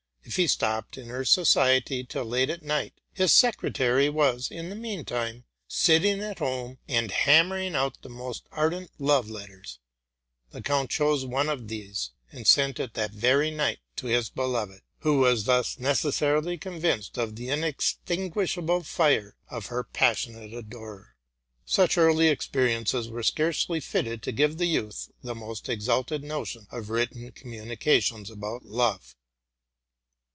If he stopped in her society till late at night, his secretary was, in the mean while, sitting at home, and hammering out the most ardent love letters: the count chose one of these, and sent it that very night to his beloved, who was thus necessarily convineed of the inextinguishable fire of her passionate adorer. Such early experiences were scarcely fitted to give the youth the most exalted notion of written communications about love.